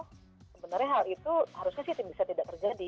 sebenarnya hal itu harusnya sih bisa tidak terjadi